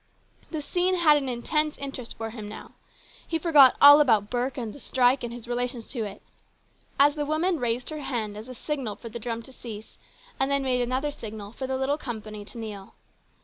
The scene had an intense interest for him now. He forgot all about Burke and the strike and his o relations to it as the woman raised her hand as a signal for the drum to cease and then made another signal for the little company to kneel.